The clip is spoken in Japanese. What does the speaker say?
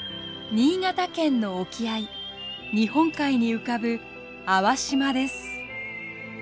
新潟県の沖合日本海に浮かぶ粟島です。